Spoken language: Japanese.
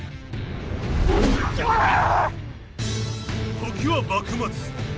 時は幕末。